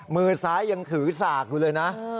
มือซ้ายยังถือสากอยู่เลยนะ